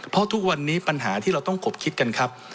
เพราะทุกวันนี้ปัญหาที่เราต้องขบคิดกันครับ